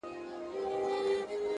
چا ویل دا چي؛ ژوندون آسان دی؛